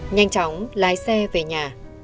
nhanh chóng lái xe về nhà